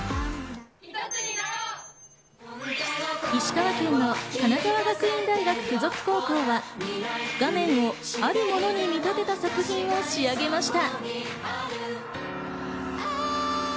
石川県の金沢学院大学附属高校は画面をあるものに見立てた作品を仕上げました。